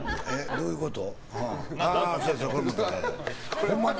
どういうこと？